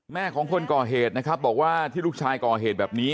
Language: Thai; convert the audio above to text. แม่ของคนก่อเหตุนะครับบอกว่าที่ลูกชายก่อเหตุแบบนี้